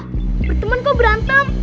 perteman kok berantem